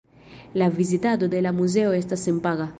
La vizitado de la muzeo estas senpaga.